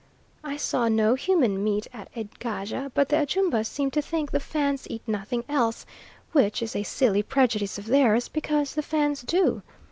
I saw no human meat at Egaja, but the Ajumba seem to think the Fans eat nothing else, which is a silly prejudice of theirs, because the Fans do.